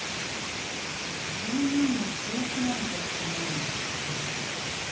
文面が強気なのが気になるのよね。